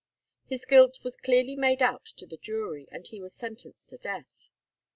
His guilt was clearly made out to the jury, and he was sentenced to death.